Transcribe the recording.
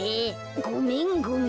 ごめんごめん。